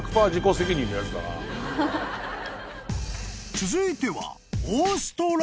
［続いては］